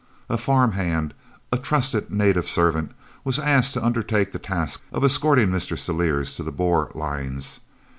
A farm hand, a trusted native servant, was asked to undertake the task of escorting Mr. Celliers to the Boer lines.